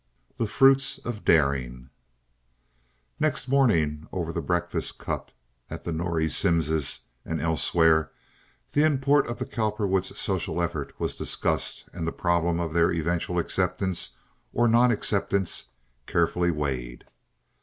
The Fruits of Daring Next morning, over the breakfast cups at the Norrie Simmses' and elsewhere, the import of the Cowperwoods' social efforts was discussed and the problem of their eventual acceptance or non acceptance carefully weighed.